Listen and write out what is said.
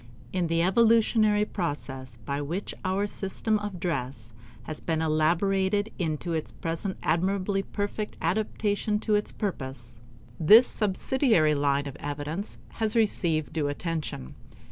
In the evolutionary process by which our system of dress has been elaborated into its present admirably perfect adaptation to its purpose, this subsidiary line of evidence has received due attention.